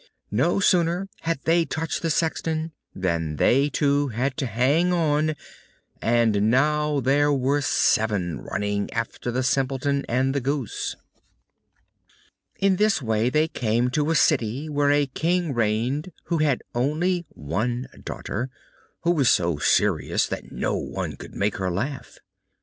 No sooner had they touched the sexton, than they too had to hang on, and now there were seven running after the Simpleton and the goose. In this way they came to a city where a King reigned who had an only daughter, who was so serious that no one could make her laugh.